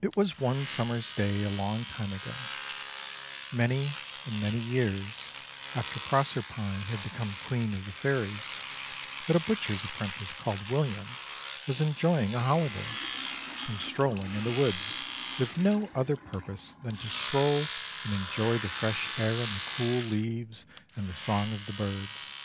It was one summer's day a long time ago, many and many years after Proserpine had become Queen of the Fairies, that a butcher's apprentice called William was enjoying a holiday, and strolling in the woods with no other purpose than to stroll and enjoy the fresh air and the cool leaves and the song of the birds.